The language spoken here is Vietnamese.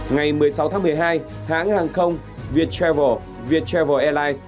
ngày một mươi sáu tháng một mươi hai hãng hàng không viettravel viettravel airlines